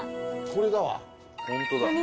これだわ。